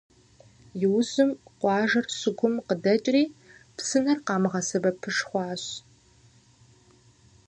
Иужьым, къуажэр щыгум къыдэкӏри, псынэр къамыгъэсэбэпыж хъуащ.